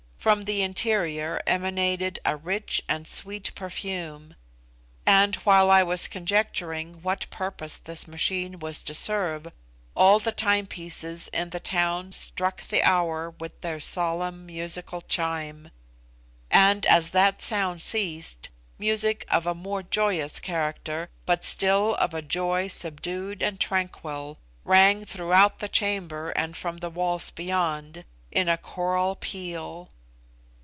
From the interior emanated a rich and sweet perfume; and while I was conjecturing what purpose this machine was to serve, all the time pieces in the town struck the hour with their solemn musical chime; and as that sound ceased, music of a more joyous character, but still of a joy subdued and tranquil, rang throughout the chamber, and from the walls beyond, in a choral peal.